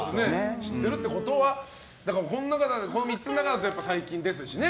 知ってるってことはこの３つの中だと最近ですしね。